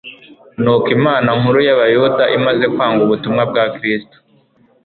Nuko Inama nkuru y'Abayuda imaze kwanga ubutumwa bwa Kristo,